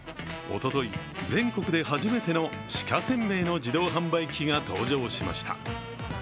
おととい、全国で初めての鹿せんべいの自動販売機が登場しました。